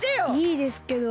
いいですけど。